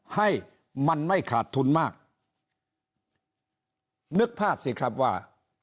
ให้มันไม่ขาดทุนมากนึกภาพสิครับว่า